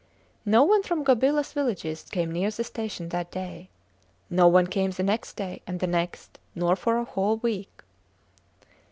No one from Gobilas villages came near the station that day. No one came the next day, and the next, nor for a whole week.